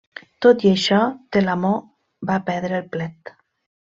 Tot i això, Telamó va perdre el plet.